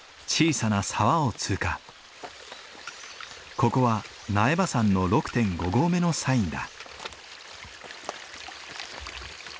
ここは苗場山の６．５合目のサインだ。